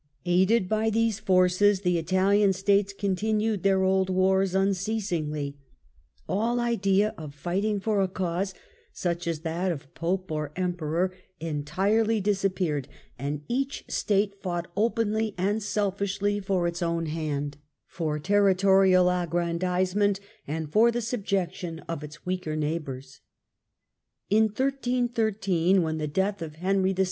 Aided by these forces, the Italian States con tinued their old wars unceasingly ; all idea of fighting for a cause, such as that of Pope or Emperor, entirely ITALY, UU3 1378 73 disappeared, and each State fought openly and selfishly for its own hand, for territorial aggrandisement and for the subjection of its weaker neighbours. In 1313, when the death of Henry VII.